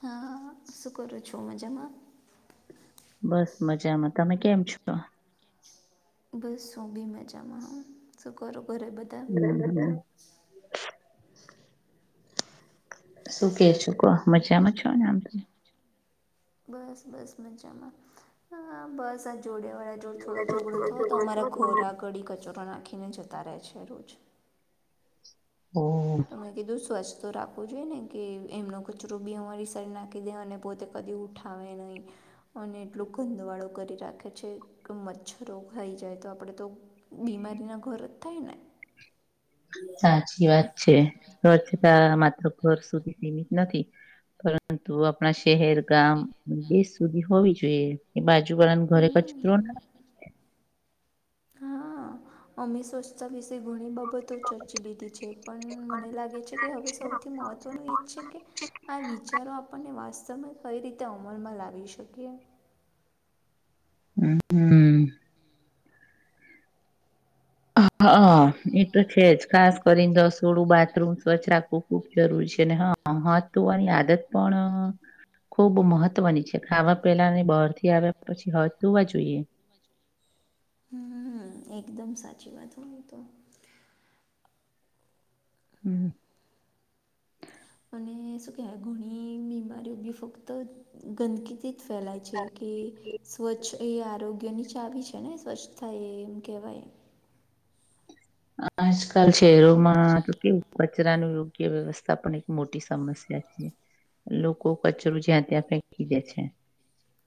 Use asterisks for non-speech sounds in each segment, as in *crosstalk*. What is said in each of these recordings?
હા હ શું કરર છમા જમમા બસ મજામાં તમે કેમ છો બસ શું બી મજામાં શું કરો ઘરે બધા હમ શું કે છુ ક મજામાં છો ને આમ તમે બસ બસ મજામાં હ બસ આ જોડે વાળા જોડ થોડો ઝઘડો થયો તો અમારા ઘોરા ઘડીી કચોરો નાખીને જતા રહે છે રોજ હમ તમે કીધું સ્ું સ્તો રાખવો જોઈએ ને કે એમનો કચરો બી અમારી શરી નાખી દે અને પોતે કદી ઉઠાવે નહીં અને એટલું ગંધવાળો કરી રાખે છે કે મચ્છરો ખાઈ જાય તો આપડે તો બીમારીના ઘોર જ થાય ને સાચી વાત છે વ છેતા માત્ર ઘર સુધી સીમિત નથી પરંતુ આપણા શહેર ગામ દેશ સુધી હોવી જો એ બાજુ બળન ઘરે કચ હમ ત્ર ના હા અમે સ્વચ્છતા વિશે ઘણી બા ચર્ચી લીધી છે પણ મને લાગે છે કે હવે સૌથી મહત્વનું એ જ છે કે આ વિચારો આપણને વાસ્તવમાં કઈ રીતે અમલમાં લાવી શકીએ હ હમ હા એ તો છે જ ખાસ કરીને રસોડું બાથરૂમ સ્વચ્છ રાખવું ખુબ જરૂરી છે હા હા તોું આની આદત પણ ખૂબ મહત્વની છે ખાવા પેલાને બહારથી આવ્યા પછી હ તો હોવા જોઈએ હમ એકદમ સાચી વાત હોય તો હમ અને શું કેહેવાય ઘણી બીમારીઓ બી ફક્ત ગંદકીથી ફેલાય છે કે સ્વચ્છ એ આરોગ્ય ની ચાવી છે ને સ્વચ્છ થાય એમ કહેવાયમ આજકાલ શહેરોમાં ટ કેવું કચરા ન યોગ્ય વ્યવસ્થા પણ એક મોટી સમસ્યા છે લોકો કચરો જ્યાં ત્યાં ફેંકી દે છે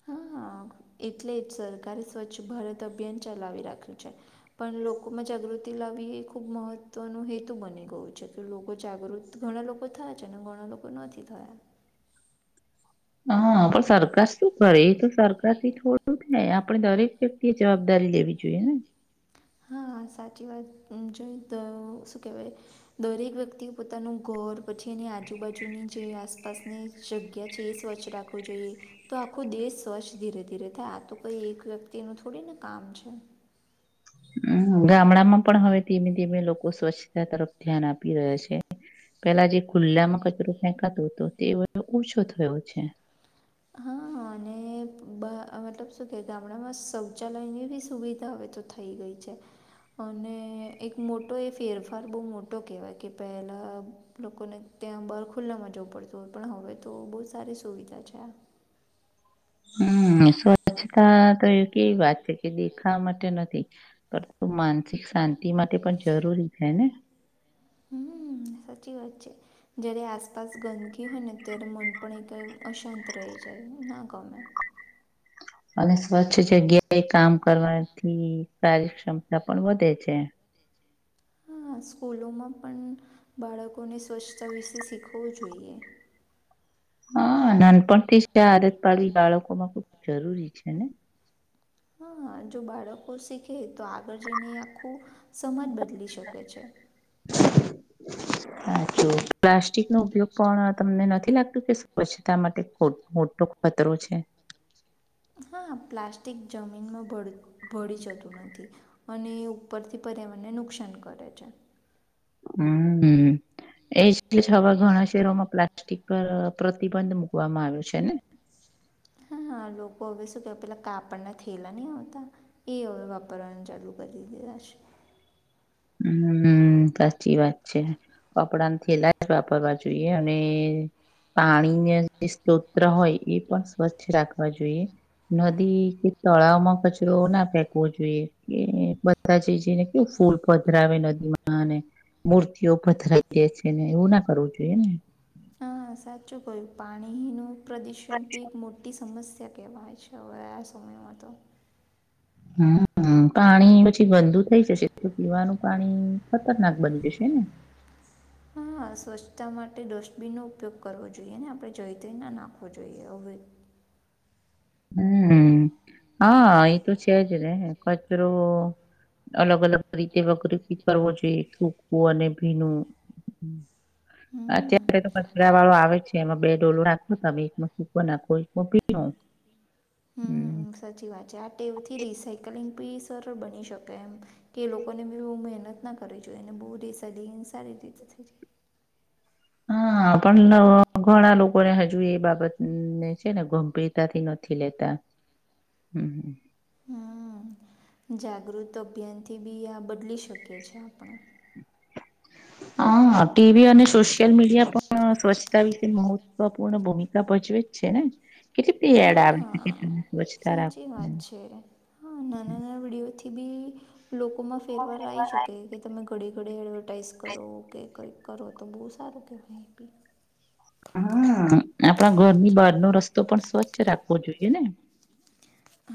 હા હા એટલે જ સરકારે સ્વચ્છ ભારત અભિયાન ચલાવી રાખ્યું છે પણ લોકોમાં જાગૃતિ લ એ ખુબ મહત્વ ન હેતુ બની ગયું છે કે લોકો જાગૃત ઘણા લોકો થાય છે ને ઘણા તો લોકોનો અથી થય હા પણ સરકાર શું કરે એ તો સરકાર થી થોડું થાય આપે દરેક વ્યક્તિ એ જવાબદારી કરી લેવી જોઈએ ને સાચ વાત દરેક વ્યક્તિ પોતાનું ઘર પછી એની આજુબાજુની જે આસપાસની જગ્યા છે એ સ્વચ્છ રાખવું જોઈએ તો આખું દેશ સ્વચ્છ ધીરે ધીરે થાય આ તો કઈ એક વ્યક્તિનું થોડીને કામ છે હમ ગામડામાં પણ હવે ધીમે ધીમે લોકો સ્વચ્છતા તરફ ધ્યાન આપી રહ્યા છે પેલા જે ખુલ્લામાં કચરો ફેંકાતો હતો તે ઓછો થયો છે હા અને બ મતલબ શું કહે ગામડામાં શૌચાલયની બી સુવિધા હવે તો થઈ ગઈ છે છે અને એક મોટો એ ફેરફાર બહુ મોટો કહેવાય કે પહેલા લોકોને ત્યાં બર ખુલ્લામાં જવું પડત હોય પણ હવે તો બહુ સારી સુવિધા છે આ હમ શું તા તો એવી વાત છે કે દેખાવા માટે નથી પરંતુ માનસિક શાંતિ માટે પણ જરૂરી છે ને હમ સાચી વાત છે જ્યારે આસપાસ ગંદકી હોય ને ત્યારે મન પણ એકદમ અશાંત રહે છે ના ગમે અને સ્વચ્છ જગ્યા એ કામ કરવા કાર્યક્ષ્મતા પણ વધે છે હા સ્કૂલોમાં પણ બાળકોને સ્વચ્છતા વિશે શીખવવું જોઈએ હા નાનપણથી છે આદત પાડવી બાળકોમાં ખબ જરૂરી છે ને હા જો બાળકો શીખે તો આગળ જઈને આખું સમાજ બદલી શકે છે તો પ્લાસ્ટિક નો ઉપયોગ પણ તમને નથી લાગતું કે સ્વચ્છતા માટે મોટો ખતરો છે બમ છે હા પ્લાસ્ટિક જમીનમાં ભળી જતું નથી અને ઉપરથી પર્યાવારણને નુકસાન કરે છે હમ એવા ઘણા શહેરોમાં પ્લાસ્ટિક પર પ્રતિબંધ મુૂકવામાં આવ્યો છે ને હા હ લોકો હવે શું કેવાય પેલા કાપડના થેલા નહીં આવતા એ હવે વાપરવાનું ચાલુ કરી દધા છે *inaudible* હમ હમ, સાચી વાત છે. કપડાન થેલા જ વાપરવા જોઈએ અને પાણીને જે સ્ત્રોત હોય એ પણ સ્વચ્છ રાખવા જોઈએ નદી કે તળાવમાં કચરોના ફેંકવો જોઈએ એ બધા જઈ જઈને કેવું ફૂલ પધરાવે નદીમાં. ને મૂર્તિઓ પધરાઈ દે છેને એવુનાં કરવું જોઈએને. હા, સાચું કહયું પાણીનું પ્રદુષણ બી એક મોટી સમસ્યા કે ભાઈ છેવે આ સમયમાં તો. હમ. હ, પાણી પછી ગંદુ થઈ જશે પીવાનું પાણી ખતરનાક બની જશેને. હમ. સ્વચ્છતા માટે ડસ્ટબિનનો ઉપયોગ કરવો જોઈએને આપણે જઈ તઈના નાખવો જોઈએ અવે. હમ. હા, એતો છેજને કચરો. અલગ અલગ રીતે વગર કરવો જોઈએ સૂકું અને ભીનું. હમ અત્યારે તો કચરા વાળો આવે છે. એમાં બે ડોલો રાખો તમે એકમાં સૂકો નાખો એકમાં ભીનો. હમ, સાચી વાત છે. આ ટેવથી રિસાયકલિંગ બી સરળ બની શકે એમ કે લોકોને બી મહેનતનાં કરવી જોઈએ ને બો *unintelligible* સારી. *unintelligible* *inaudible* હા, પણ ઘણા લોકોને હજુ એ બાબતને છેને ગંભીરતાથી નથી લેતા. *inaudible* હમ. હમ, જાગૃત અભિયાનથી બી આ બદલી શકીએ છે આપણે. *inaudible* હા, ટીવી અને સોશિયલ મીડિયા પણ સ્વચ્છતા વિશે મહત્વપૂર્ણ ભૂમિકા ભજવે જ છેને. કેટલી બધી એડ આવી શકે હા. તમે સ્વચ્છતાં સાચી રાખોને વાત એમ છે. હા, *inaudible* નાના-નાના વિડીયોથી બી લોકોમાં ફેરવાર આવી શકે કે તમે ઘડે ઘડે એડવર્ટાઈઝ કરો કે ક કરો તો બહુ સારું કહેવાય. હા, આપણા ઘરની બારનો રસ્તો પણ સ્વચ્છ રાખવો જોઈએને.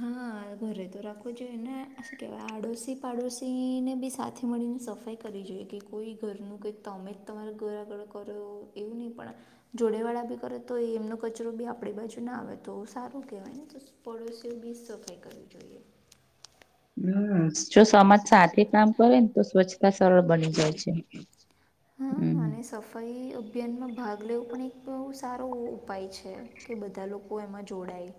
હા, ઘરેતો રાખવું જોઈએને શું કેવાય આડોશી પાડોશીને બી સાથે મળી સફાઈ કરવી જોઈએ કે કોઈ ઘરનું કઈંક તમેજ તમારા ઘર આગળ કરો એવું ની પણ. જોડે વાળા બી કરે તો એમનો કચરો બી આપણી બાજુના આવે તો સારું કેવાય ને. પડોશીઓ બીજ સફાઈ કરવી જોઈએ. હમ, જો સમાજ સાથે કામ કરેને તો સ્વચ્છતા સરળ બની જાય છે. હમ, અને સફાઈ અભિયાનમાં ભાગ લેવું પણ એક બહુ સારો ઉપાય છે કે બધા લોકો એમાં જોડાય.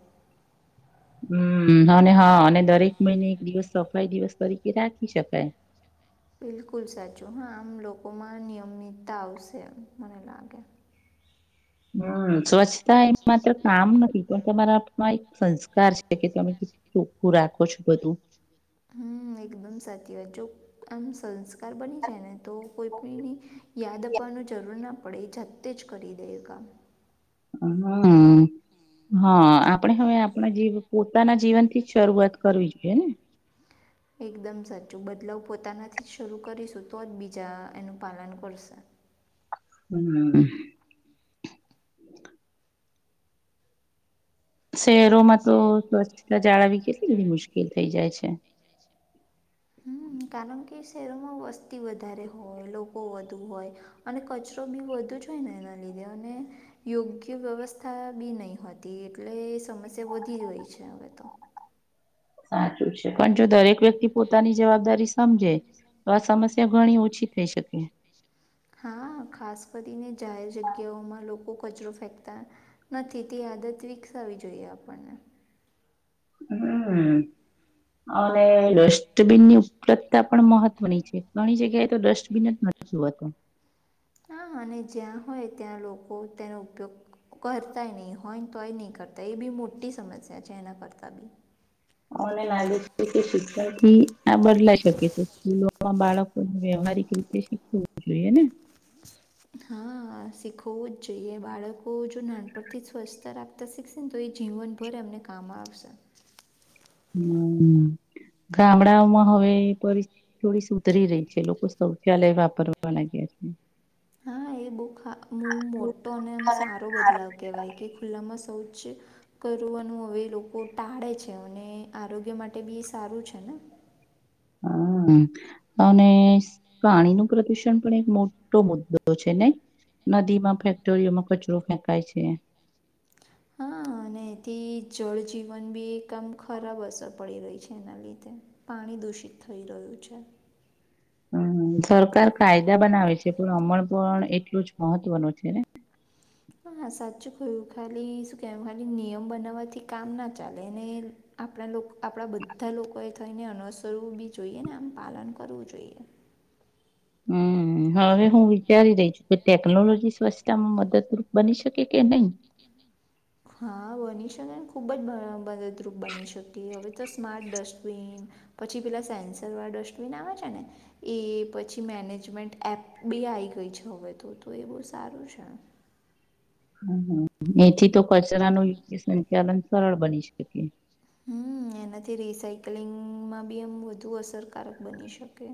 હમ, અને હા અને દરેક મહિને એક દિવસ સફાઈ દિવસ તરીકે રાખી શકાય. બિલકુલ સાચું. હા, આમ લોકોમાં નિયમિતતા આવશે મને લાગે. હમ, સ્વચ્છતા એ માત્ર કામ નથી પણ તમારા આપમાં એક સંસ્કાર છેકે તમે ચોખ્ખું રાખો છો બધું. હમ, એકદમ સાચી વાત જો આમ સં કાર બની જાયને તો કોઈપીની યાદ આપવાનું જરૂરનાં આપડે જાતે જ કરી દઈએ કામ. હમ. હા, આપણે હવે આપણાં જે પોતાના જીવનથી જ શરૂઆત કરવી જોઈએ ને. *inaudible* એકદમ સાચું. બદલાવ પોતાનાથી જ શરૂ કરીશું તોજ બીજા એનું પાલન કરશે. હમ *inaudible* શહેરોમાં તો સ્વચછતા જાળવવી કેટલી મુશ્કેલ થઈ જાય છે. એવામાં હું વસ્તી વધારે હોય લોકો વધુ હોય અને કચરો બી વધુ જ હોઈ ને એના લીધે અને યોગ્ય વ્યવસ્થા બી નહી હતી એટલે સમસ્યા વધી ગઈ છે હવે તો. સાચું છે પણ જો દરેક વ્યક્તિ પોતાની જવાબદારી સમજે તો આ સમસ્યા ઘણી ઓછી થઈ શકે. હા ખાસ કરીને જાહેર જગ્યાઓમાં લોકો કચરો ફેંકે નથી તે આદત વિકસાવી જોઈએ આપણને. હમ્મ અને ડસ્ટબીનની ઉપલબ્ધતા પણ મહત ત્વની છે ઘણી જગ્યાએ તો ડસ્ટબિન જ નથી હોતું. હા અને જ્યાં હોય ત્યાં લોકો તેનો ઉપયોગ કરતાય નહી હોય તોય નહી કરતાય એ બી મોટી સમસ્યા છે એના કરતા બી. મને લાગે છે કે શિક્ષણ થી આ બદલાઈ શકે છે સ્કૂલો તો આ બાળકોને વ્યવહારિક રીતે શીખવું જોઈએ ને. હા શીખવવું જ જોઈએ બાળકો જો નાનપણથી સ્વચ્છતા રાખતા શીખશે ને તો એજ જીવનભર એમને કામ આવશે. હમ્મ. ગામડાઓમાં હવે પરિસ્થિતિ થોડી સુધરી રહી છે લોકો શૌચાલય વાપરવા લાગ્યા છે. હા એ બહુ મોટો અને એમ સારો બદલાવ કેહેવાય કે ખુલ્લામાં શૌચાલય કરવાનું હવે લોકો ટાળે છે અને આરોગ્ય માટે બી સારું છે ને. *inaudible* હા અને પાણી નું પ્રદુષણ પણ એક મોટો મુદ્દો છે ને. નદીમાં ફેક્ટરીઓમાં કચરો ફેંકાય છે. હા અને એથી જળજીવન બી આામ ખરાબ અસર પડી રહી છે એના લીધે પાણી દૂષિત થઈ રહ્યું છે. હમ સરકાર કાયદા બનાવે છે પણ અમણ પણ એટલું જ મહત્વનું છે ને. હા સાચું ખાલી શું કે ખાલી નિયમ બનાવવાથી કામ ના ચાલે ને આપણા આપણા બ ધા લોકો એ થઈને અનસરવું બી જોઈએ ને આમ પાલન કરવું જોઈએ. હમ્મ હવે હું વિચારી રહી છું કે ટેકનોલોજી સ્વચ્છતામાં મદદરૂપ બની શકે કે નઈ. *inaudible* હા બની શકે ખૂબ જ મદદરૂપ બની શકી હવે તો સ્માર્ટ ડસ્ટબિન પછી પેલા સેન્સર વાળા ડસ્ટબિન આવે છે, ને એ પછી મેનેજમેન્ટ એપ બી આઈ ગઈ છે, હવે તો તો એ બહુ સારું છે. એથી તો કચરા નો યોગ્ય સંચાલન સરળ બની શકે. હમ્મ. અને એનાથી રિસાયકલિંગમાં બી આમ વધુ અસરકારક બની શકે.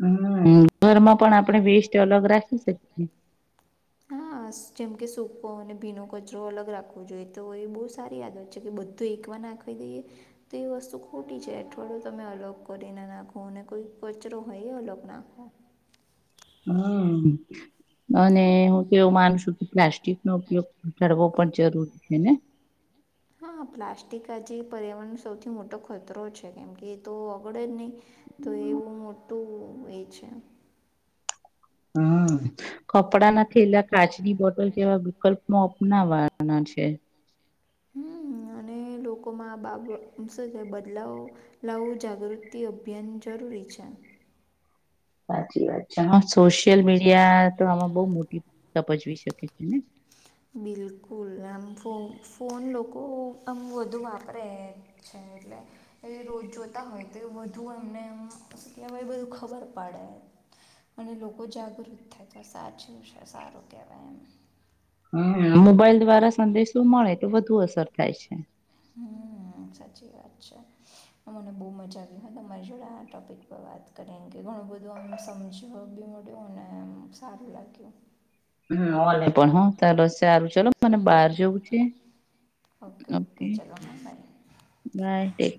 હમ્મ ઘરમાં પણ આપણે વેસ્ટ અલગ રાખી શકીએ. હા. જેમકે સૂકો અને ભીનો કચરો અલગ રાખવો જોઈએ તો એ બહુ સારી યાદ હોય છે કે બધું એક વાર નાખી દઈએ તો એ વસ્તુ ખોટી છે. થોડો તમે અલોગ કરી ના નાખો અને કોઈ કચરો હોય એ અલોગ નાખો. હમ્મ. અને હું તોવું માનું છું કે પ્લાસ્ટિક નો ઉપયોગ કરવો પણ જરૂરી છે ને. *inaudible* હા પ્લાસ્ટિક આજે પર્યાવરણ સૌથી મોટો ખતરો છે કેમ કે એ તો ઓગળે જ નહીં. તો એવુ મોટું એ છે. હમ્મ કપડાના થેલા કાચની બોટલ કેવા વિકલ્પમાં અપનાવાના છે. હમ્મ અને લોક કોમાં આ બાબત સાથેે બદલાવ લાવવું જાગૃતિ અભિયાન જરૂરી છે. સાચી વાત છે સોશિયલ મીડિયા તો આમાં બઉ મોટા તપજવી શકે છે ને બિલકુલ એમ ફો ફોન લોકો આમ વધુ વાપરે છે, એટલે એ રોજ જોતા હોય તો વધુ અમને આમ કે ભ બધું ખબર પડે અને લોકો જાગૃત થાય તો સાચું સારું કહેવાય એમ હ મોબાઈલ દ્વારા સંદેશો મળે તો વધુ અસર થાય છે. હમ. હ સાચી વાત છે મને બહુ મજા આવી તમારી જોડે આ ટોપિક પર વાત કરી. ઘણું બધું આમ સમજવા બી મળ્યું અને સારું લાગ્યું. હ પણ હ ચાલ. સારું ચલો મને હમ બહાર જવું છે, ઓકે. ચલો હા બાય ના ઠીક.